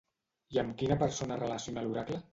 I amb quina persona relaciona l'oracle?